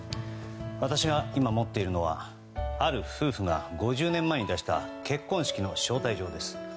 私が今持っているのはある夫婦が５０年前に出した結婚式の招待状です。